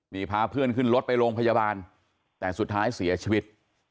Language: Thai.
นี่พาเพื่อนขึ้นรถไปโรงพยาบาลแต่สุดท้ายเสียชีวิต